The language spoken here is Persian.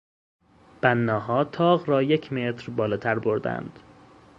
بناها تاق را یک متر بالاتر بردند.